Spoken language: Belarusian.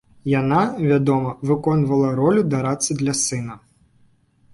Яна, вядома, выконвала ролю дарадцы для сына.